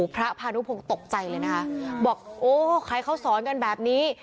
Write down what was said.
พระพานุพงศ์ตกใจเลยนะคะบอกโอ้ใครเขาสอนกันแบบนี้